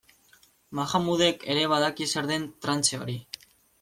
Mahmudek ere badaki zer den trantze hori.